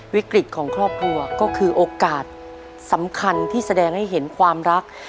วิกฤตของครอบครัวก็คือโอกาสสำคัญที่แสดงให้เห็นความรัก